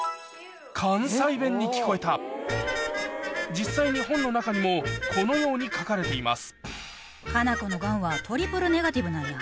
実際に本の中にもこのように書かれています